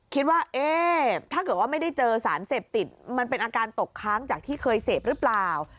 คิดว่าเอ๊ะถ้าเกิดว่าไม่ได้เจอสารเสพติดมันเป็นอาการตกค้างจากที่เคยเสพหรือเปล่า